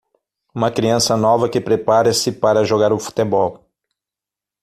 Uma criança nova que prepara-se para jogar o futebol.